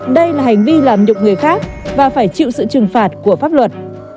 đây là hành vi làm nhục người khác và phải chịu sự trừng phạt của pháp luật